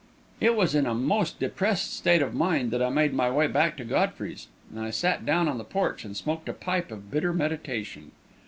It was in a most depressed state of mind that I made my way back to Godfrey's; and I sat down on the porch and smoked a pipe of bitter meditation.